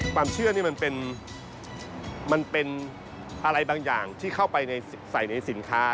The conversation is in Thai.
ความเชื่อนี่มันเป็นอะไรบางอย่างที่เข้าไปใส่ในสินค้า